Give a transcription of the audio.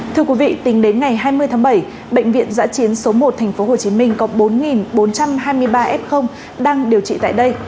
thưa quý vị tính đến ngày hai mươi tháng bảy bệnh viện giã chiến số một tp hcm có bốn bốn trăm hai mươi ba f đang điều trị tại đây